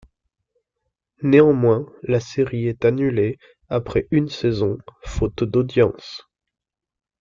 Néanmoins, la série est annulée après une saison, faute d'audiences.